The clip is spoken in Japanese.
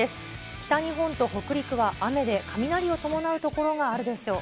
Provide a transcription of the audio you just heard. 北日本と北陸は雨で、雷を伴う所があるでしょう。